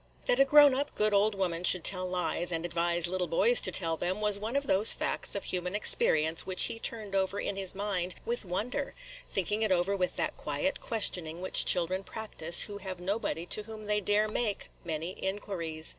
That a grown up, good old woman should tell lies, and advise little boys to tell them, was one of those facts of human experience which he turned over in his mind with wonder, – thinking it over with that quiet questioning which children practise who have nobody of whom they dare make many inquiries.